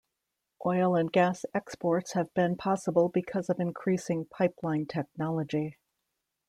Oil and gas exports have been possible because of increasing pipeline technology.